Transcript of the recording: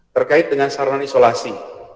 terkait dengan saranan isolasi